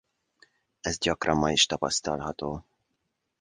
Ez gyakran ma is tapasztalható.